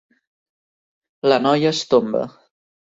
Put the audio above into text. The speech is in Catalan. La noia es tomba.